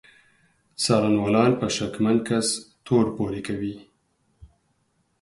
څارنوالان په شکمن کس تور پورې کوي.